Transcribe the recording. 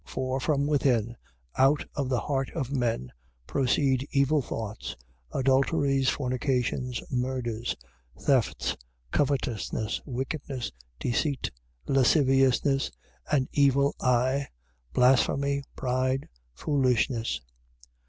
7:21. For from within, out of the heart of men, proceed evil thoughts, adulteries, fornications, murders, 7:22. Thefts, covetousness, wickedness, deceit, lasciviousness, an evil eye, blasphemy, pride, foolishness.